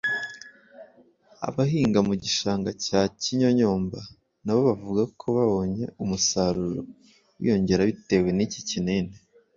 Abahinga mu gishanga cya Kanyonyomba na bo bavuga ko babonye umusaruro wiyongera bitewe n’iki kinini